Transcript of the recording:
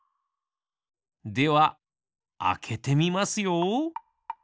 ではあけてみますよ。